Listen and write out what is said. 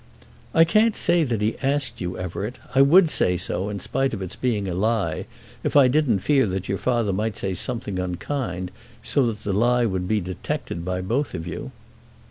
"I can't say that he asked you, Everett. I would say so, in spite of its being a lie, if I didn't fear that your father might say something unkind, so that the lie would be detected by both of you."